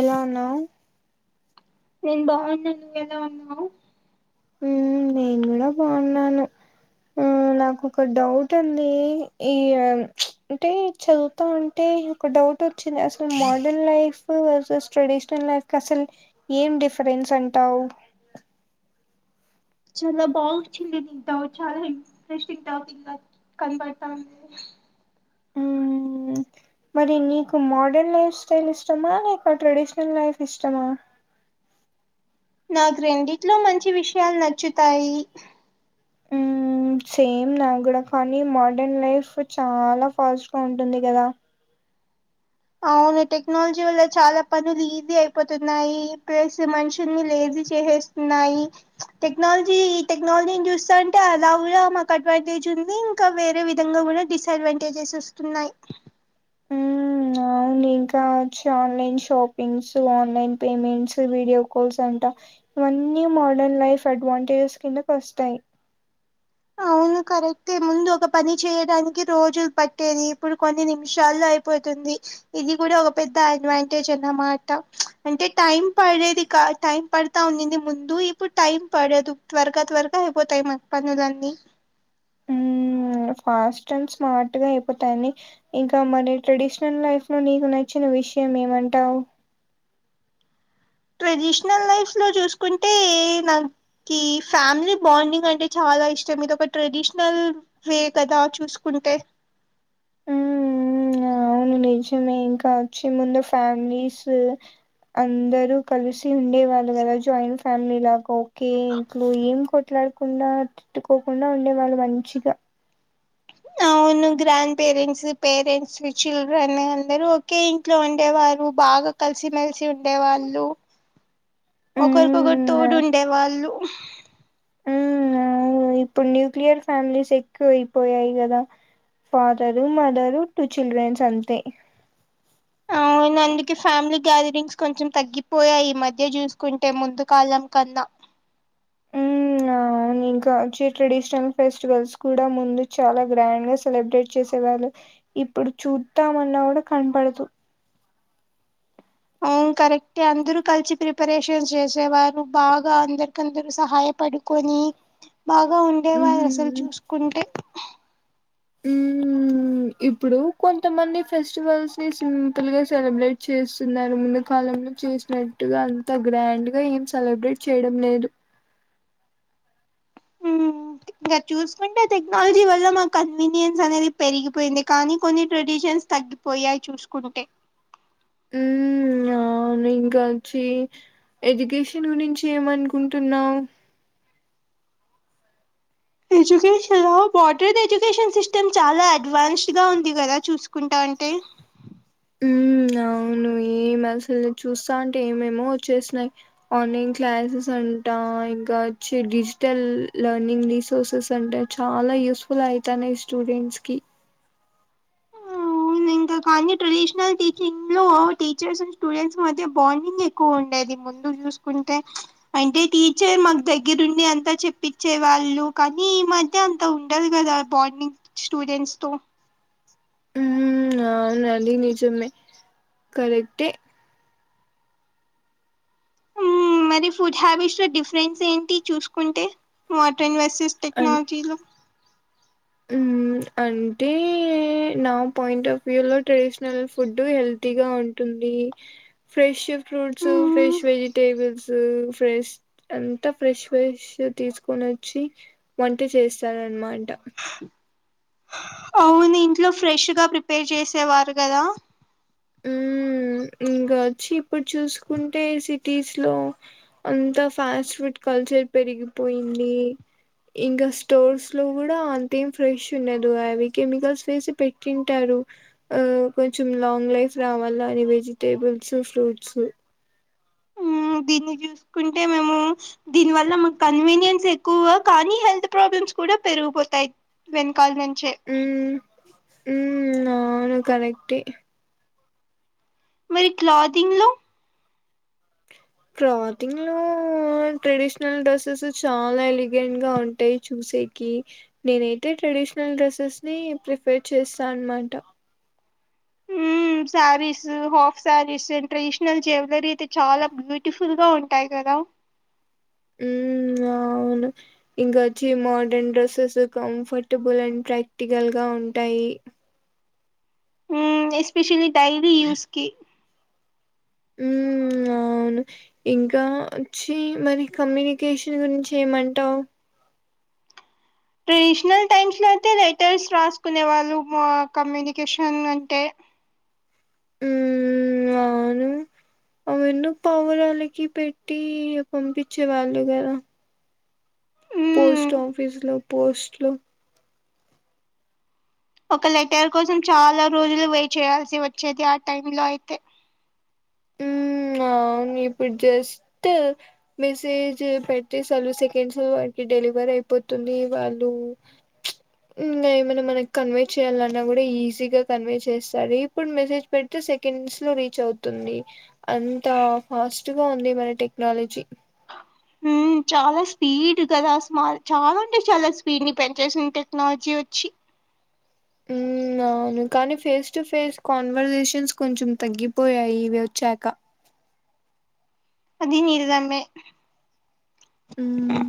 ఎలా ఉన్నావ్ నేను బాగున్నా నువ్వు ఎలా ఉన్నావు మ్మ్ ఆ నాకు ఒక డౌట్ ఉంది ఈ అంటే చదువుతా ఉంటే డౌట్ వచ్చింది అసలు modern life versus traditional life అసల్ ఏం డిఫరెన్ సంటావు చాలా బాగు చింది తింటావు చాలా ఫ్రెష్ తింటావు పిల్ల కనపడుతా మ్మ్ మరి నీకు మోడర్న్ లైఫ్ స్టైల్ ఇష్టమా లేక ట్రెడిషనల్ లైఫ్ ఇష్టమా నాకు రెండిట్లో మంచి విషయాలు నచ్చుతాయి మ్మ్ సేమ్ నా కూడా కానీ మోడర్న్ లైఫ్ చాలా ఫాస్ట్ గా ఉంటుంది కదా అవును టెక్నాలజీ వల్ల చాలా పనులు ఈజీ అయిపోతున్నాయి ప్లస్ మనుషుల్ని లేదు చేసేస్తున్నాయి టెక్నాలజీ టెక్నాలజీని చూస్తాంటే అలా కూడా మాకు అటువంటి ది ఇంకా వేరే విధంగా కూడా డిస్ అడ్వాంటేజెస్ వస్తున్నాయి ఉమ్ అవును ఇంకా challenge shoppings online payments video calls అంట అన్నీ మోడర్న్ లైఫ్ అడ్వాంటేజెస్ కిందకు వస్తాయ్ ఔ కరెక్టే ముందు ఒక పని చేయడానికి రోజులు పట్టేది ఇప్పుడు కొన్ని నిమిషాల్లో అయిపోతుంది ఇది కూడా ఒక పెద్ద అడ్వాంటేజ్ అన్నమాట అంటే టైం పడేది టైం పడతా ఉందింది ముందు ఇప్పుడు టైం పడదు త్వరగా త్వరగా అయిపోతాయి మన పనులు ఉమ్ ఫాస్ట్ అండ్ స్మార్ట్ గా అయిపోతాని ఇంకా మరి ట్రెడిషనల్ లైఫ్ లో నీకు నచ్చిన విషయం ఏమంటావు ట్రెడిషనల్ లైఫ్ లో చూసుకుంటే నాకి ఫ్యామిలీ బాండింగ్ అంటే చాలా చాలా ఇష్టం ఇది ఒక ట్రెడిషనల్ వే కదా చూసుకుంటే నిజమె యిన్కా వచ్చి ముందు ఫ్యామిలీస్ అందరు కలిసి ఉండే వాళ్ళు కదా జాయింట్ ఫ్యామిలీలాగా కే ఇంట్లో ఏం కొట్లాడకుండా తిట్టుకోకుండా ఉండే వాళ్ళు మంచిగా అ అవును గ్రాండ్ పేరెంట్స్ పేరెంట్స్ చిల్డ్రన్ అందరు ఒకే ఇంట్లో ఉండేవారు బా బాగా కలిసిమెలిసి ఉండే వాళ్ళు ఒకరికొకరు ఉమ్ తోడు ఉండే వాళ్ళు ఉమ్ అవును ఇప్పుడు న్యూక్లియర్ ఫ్యామిలీస్ ఎక్కువ అయిపోయాయి కదా ఫాదరు మదరు టూ చిల్డ్రన్స్ అంతే అవు యిన అందుకే ఫ్యామిలీ గ్యాదరింగ్స్ కొంచెం తగ్గిపోయాయి ఈ మధ్య చూసుకుంటే ముందు కాలం కన్నా ఇంకాచ్చే ట్రెడిషనల్ ఫెస్టివల్స్ కూడా ముందు చాలా గ్రాండ్ గా సెలబ్రేట్ చేసే వాళ్ళు ఇప్పుడు చూత్తామన్నా కూడా కన్పడదు అవ్ కరెక్టే అందరు కలిసి ప్రిపరేషన్స్ చేసేవారు బాగా అందరికందరూ సహాయపడుకొ ని బాగా ఉండేవారు ఉమ్ అసల్చూసుకుంటే మ్ మ్ ఇప్పుడు కొంతమంది ఫెస్టివల్స్ ని సింపుల్ గా సెలబ్రేట్ చేస్తున్నారు ముందు కాలంలో చూసినట్టుగా అంత గ్రాండ్ గా ఏం సెలబ్రేట్ చేయడం లేదు మ్ ఇంగ చూసుకుంటే టెక్నాలజీ వల్ల మా కన్వీనియన్స్ అనేది పెరిగిపోయింది కానీ కొన్ని ట్రెడిషన్ తగ్గిపోయాయి చూసుకుంటే మ్ అవ్ అవ్ను ఇంకా వచ్చి ఎడ్యుకేషన్ గురించి ఏమనుకుంటున్నవ్ ఎడ్యుకేషన్ లో బటర్ ఎడ్యుకేషన్ సిస్టమ్ చాలా అడ్వాన్స్డ్ గా ఉంది కదా చూసుకుంటా అంటే మీ మ్ అసల్ చూస్తా అంటే ఏమేమో వచ్చేస్తున్నాయి ఆన్లైన్ క్లాసెస్ అంటా ఇంకా చ్చే డిజిటల్ లెర్నింగ్ రీసోర్సెస్ అంటే చాలా యూస్ఫుల్ ఐతాన్నాయి స్టూడెంట్స్ కి అవ్నింకా కా అన్ని ట్రెడిషనల్ టీచింగ్ లో టీచర్స్ అండ్ స్టూడెంట్స్ మధ్య బాండింగ్ ఎక్కువ ఉండేది ముందు చూస్ కుంటే అంటే టీచర్ మాక్ దగ్గరుండి అంతా చెప్పిచ్చే వాళ్ళు కానీ ఈ మధ్య అంత ఉండదు కదా బాండింగ్ స్టూడెంట్స్ తో మ్ అవ్నదీ నిజమే కరెక్టే మ్ మరి ఫుడ్ హ్యాబిట్స్ లో డిఫరెన్స్ ఏంటి చూసుకుంటే మోట్రన్ వెస్ చిస్ అన్ టెక్నాలజీలో ఉమ్ అంటే నా పాయింట్ ఆఫ్ వ్యూ లో ట్రెడిషనల్ ఫుడ్ హెల్తీగా ఉంటు ది ఫ్రెష్ ఫ్రూట్స్ మ్మ్ ఫ్రెష్ వెజిటేబుల్సు ఫ్రెష్ ఆన్ తా ఫ్రెష్ ఫ్రెష్ తీసుకొనొ చ్చి వంట చేస్తారనమాట అవునింట్లో ఫ్రెష్ గా ప్రిపేర్ చేసేవారు కదా మ్మ్ ఇంకా వచ్చి ఇప్పుడు చూసుకుంటే సిటీస్ లో అంతా ఫాస్ట్ ఫుడ్ కల్చర్ పెరిగిపోయింది ఇంకా స్టోర్స్ లో కూడా అంతేం ఫ్రెష్ ఉన్నదు అవి కెమికల్స్ వేసి పెట్టింటా రు అ కొంచెం లాంగ్ లైఫ్ రావాలని వెజిటేబుల్సు ఫ్రూట్సు దీన్ని జూస్కుంటే మేము దీని వల్ల మా కన్వనియన్స్ ఎక్కువ కానీ హెల్త్ ప్రాబ్ల మ్స్ కూడా పెరిగిపోతాయి వెనకాల నుంచే మ్ అవును కరెక్టే మరి క్లాథింగ్ లో క్లాథింగ్లో ట్రెడిషనల్ డ్రెస్సెస్ చాలా ఎలిగెంట్ గా ఉంటాయి చూస్ సేకి నేనైతే ట్రెడిషనల్ డ్రెస్సెస్ ని ప్రిఫెర్ చేస్తా అన్మాట మ్ saris half saris traditional jewellery అయితే చాలా బ్యూటిఫుల్ గా ఉంటాయి కదా మ్ అవ్ ఇంకొచ్చి modern dresses comfortable and practical గా ఉంటాయి ఉ ఎస్పెషలీ డైలీ యూస్కి ఉమ్ అవును ఇంకా వచ్చి మరి కమ్యూనికేషన్ గురించి ఏమంటావు ట్రెడిషనల్ టైమ్స్ లో అయితే లెటర్స్ రాసుకునే వాళ్ళు కమ్యూనికేషన్ అంటే వున్న పావురాలకి పెట్టి పంపించే వాళ్ళు కదా మ్మ్ పోస్ట్ ఆఫీసులో పోస్ట్లు ఒక లెటర్ కోసం చాలా రోజులు వెయిట్ చేయాల్సి వచ్చేది ఆ టైమ్లో అయితే ఉమ్ అవును ఇప్పుడు జస్ట్ మెసేజ్ పెట్టెసలు సెకండ్స్ లోటి డెలివర్ అయిపోతుంది వాళ్ళు ఇంగా ఏమనా మనకి కన్వే చేయాలన్నా కూడా ఈజీగా కన్వే చేస్తాది ఇప్పుడు మెసేజ్ పెడితే సెకండ్స్ లో రీచ్ అవుతుంది అంత ఫాస్ట్గా ఉంది మన టెక్నాలజీ ఉ చాలా స్పీడ్ కదా అసలా చాలా అంటే చాలా స్పీడ్ ని పెంచేసింది టెక్నాలజీ వచ్చి ఉమ్ అవును కానీ ఫేస్ టు ఫేస్ కాన్వర్సేషన్స్ కొంచెం తగ్గిపోయాయి ఇవి వచ్చాక అది నీరుదామే ఉమ్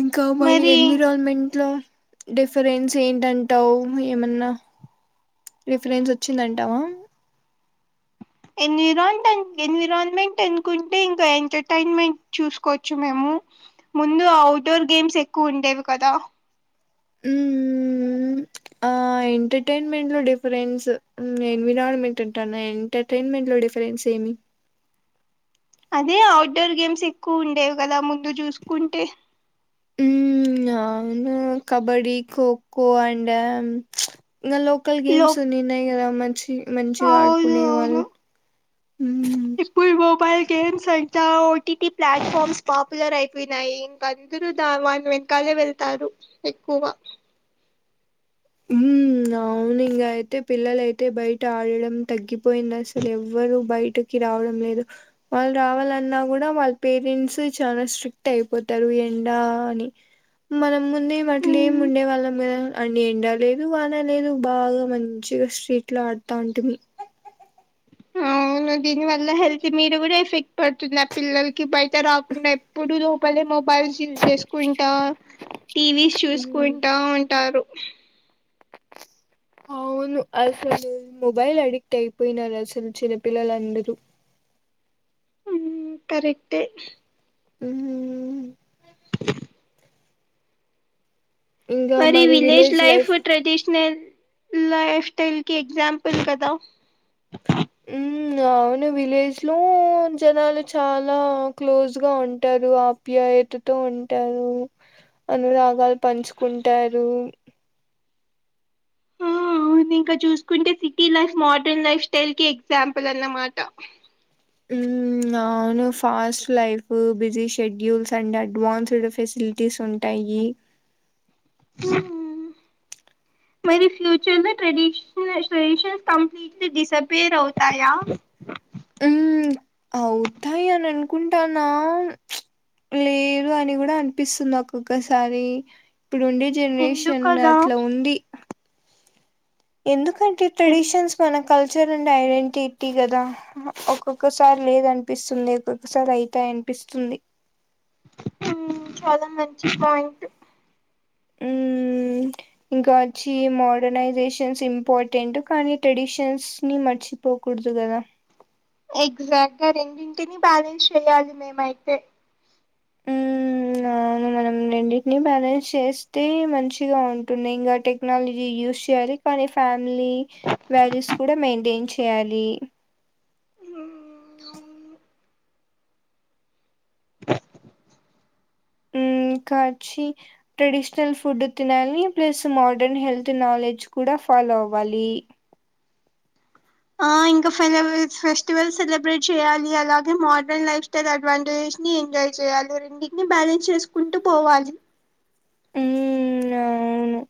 ఇంకా మరి ఎన్విరాన్మెంట్ లో డిఫరెన్స్ ఏంటంటావు ఏమన్నా రిఫరెన్స్ వచ్చిందంటావా ఎన్విరాన్ ఎన్విరాన్మెంట్ అనుకుంటే ఇంకా ఎంటర్టైన్మెంట్ చూసుకోవచ్చు మేము ముందు ఔడోర్ గేమ్స్ ఎక్కువ ఉండేవి కదా ఉ ఆ ఎంటర్టైన్మెంట్ లో డిఫరెన్స్ ఎన్విరాన్మెంట్ అంటాన్న ఎంటర్టైన్మెంట్ లో డిఫరెన్స్ ఏమి అదే అఔట్డోర్ గేమ్స్ ఎక్కువ ఉండేవి కదా ముందు చూసుకుంటే ఉ అవును కబడి ఖోఖో అండ్ ఇంగ లోకల్ లో గేమ్స్ ఉన్నిన్నాయి కదా మంచి మంచిగా ఆడుకునే వాళ్ ఇపోయి మొబైల్ గేమ్స్ అంతా ఓటీటీ ప్లాట్ఫామ్స్ పాపులర్ అయిపోయినాయి ఇంక అందరు వాని వెంకాలే వెళ్తారు ఎక్కువ ఉ అవును ఇంగ అయితే పిల్లల అయితే బయట ఆడడం తగ్గి పోయినాసలు ఎవ్వరు బయట ఇటుకి రావడం లేదు వాళ్ళు రావాలన్నా కూడా వాళ్ళ పేరెంట్స్ చాలా స్ట్రిక్ట్ అయిపోతారు ఎండా అని మనం ముందే అట్లే ఏం ఉమ్, ఉండే వాళ్ళం కదా అన్ని ఎం లేదు వానా లేదు బాగా మంచిగా స్ట్రీట్ లో ఆడతాంటిమీ ఆ అవు దీని వల్ల హెల్త్ మీద కూడా ఎఫెక్ట్ పడుతుంది ఆ పిల్లలకి బయట రాకుండా ఎప్పుడు లోపలే మొ మొబైల్స్ యూజ్ చేసుకుంటా టీవీస్ చూసుకుంటా ఉంటారు అవును అసలు మొబైల్ అడిక్ట్ అయిపోయినారు అసలు చిన్నపిల్లలందరూ మ్ కరెక్టే మ్ మరి village life traditional lifestyle కి ఎగ్జాంపుల్ కదా మ్ అవ్ను విలేజ్ లో జనాలు చాలా క్లోజ్ గా ఉంటారు ఆప్యాయ్ ట్టుతో ఉంటారు అనురాగాలు పంచుకుంటారు మ్ ముందింకా చూసుకుంటే city life modern lifestyle కి ఎగ్జాంపుల్ అన్నమాట మ్ మ్ ఆవ్ను fast life busy schedules and advanced facilities ఉంటాయి యి మ్ మరి ఫ్యూచర్ లో ట్రెడిషన్ ట్రెడిషన్స్ కంప్లీట్లీ డిసప్పియర్ అవుతాయా మ్ అవుతాయి అని అనుకుంటాన్నా లేదు అని కూడా అనిపిస్తుంది ఒక్కొక్కసారి ప్పుడుండే జనరేషన్ ఎందుకలా అట్లా ఉంది ఎందుకంటే ఎన్- ట్రెడిషన్స్ మనక్ కల్చర్ అండ్ ఐడెంటిటీ కదా ఒక్కొక్కసారి లేదనిపిస్తుంది ఒక్కొక్కసారి అయ్తాయ్ న్పిస్తుంది మ్ చాలా మంచి పాయింట్ [unintelligible] ఇంకాచ్చి మోడర్నైజేషన్స్ ఇంపార్టెంట్ కానీ ట్రెడిషన్స్ ని మర్చిపోకూడదు దనా ఎగ్జాక్ట్ గా రెండింటిని బ్యాలెన్స్ చెయాలి మేమయితే మ్ అవును మనం రెండింటిని బ్యాలెన్స్ చేస్తే మంచి ర్తీగా ఉంటున్నాయ్ ఇంగా టెక్నాలజీ యూస్ చేయాలి కానీ ఫ్యామిలీ వాల్యూస్ కూడా మెయింటైన్ చేయాలి మ్మ్. అహ ఇంకాచ్చి ట్రెడిషనల్ ఫుడ్ తినాలి ప్లస్ మోడర్న్ హెల్త్ నాలెడ్జ్ కూడా ఫాలో అవ్వాలి ఆ ఇంకా ఫనేమిల్ ఫెస్టివల్ సెలబ్రేట్ చేయాలి అలాగే మెడ్రన్ లైఫ్ స్టైల్ అడ్వాంటేజ్ చ్ని ఎంజాయ్ చేయాలి రెండింటిని బ్యాలెన్స్ చేసుకుంటూ పోవాలి ఉమ్ అవును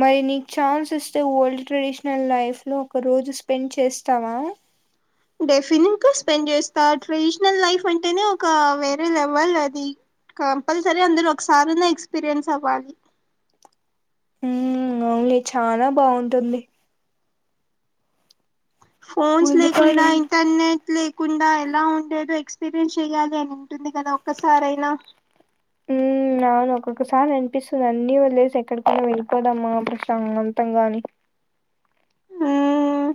మరి నీకు ఛాన్స్ ఇస్తే ఓల్డ్ ట్రెడిషనల్ లైఫ్ లో ఒక రోజు స్పెండ్ చేస్తావా డెఫినెట్ గా స్పెండ్ చేస్తా ట్రెడిషనల్ లైఫ్ అంటేనే ఒక వేరే లెవల్ అది కంపల్సరీ అందరు ఒకసారన్నా ఎక్స్పీరియన్స్ అవ్వాలి అవున్లే చానా బావుంటుంది ఫోన్స్ ముందు లేకుండా కాలం ఇంటర్నెట్ లేకుండా ఎలా ఉండేదో ఎక్స్పీరియన్స్ చెయాలి అని టుంది కదా ఒక్కసారయినా ఒక్కోసారి అనిపిస్తుంది అన్నీ వద్లేసి ఎక్కడికన్నా వెళ్ళిపోదామా ప్రశాంతంగా అని మ్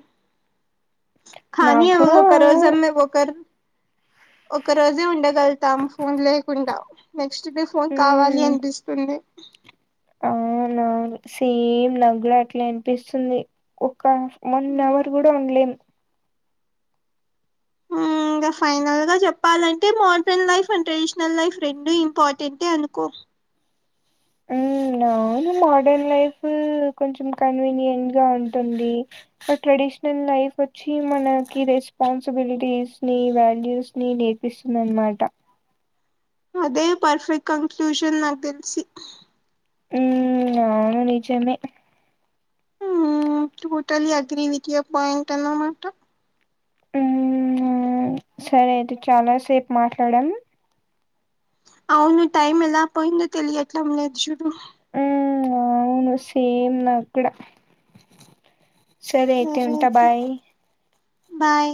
కానీ నాకు కూడా ఒకరోజన్నా ఒకర్ ఒక రోజే ఉండగలుతాం ఫోన్ లేకుండా నక్ నెక్స్ట్ డే ఫోన్ కావాలి ఉమ్ అనిపిస్తుంది నా సేమ్ నగ్లా అట్లా అనిపిస్తుంది ఒక్ వన్ అవర్ మ్మ్ కూడా ఉండలే లేం హ ఇంకా ఫైనల్ గా చెప్పాలంటే modern life and traditional life రెండు ఇంపార్టెంటే అనుకో నా మోడ లైఫ కొంచ కనిట్ గా ఉంటంది ట్రెడిషనల్ లైఫ్ వచ్చి మనకి రెస్పాన్సిబిలిటీస్ ని వాల్యూస్ ని నేర్పిస్తున్నారు అన్నమాట అదే పర్ఫెక్ట్ కన్క్లూషన్ నాకు తెలిసి ఉ అవును నిజమే ఉ టోటలీ అగ్రి విడియా పోయింట్ అన్నమాట ఉ సరే అయితే చాలా సేపు మాట్లాడాము అవును టైమ్ ఎలా పోయిందో తెలియట్లం లేదు నేన్ చు ఉ అవును సేమ్ నాక్కుడా సరే అయితే ఉంటా బాయ్ బాయ్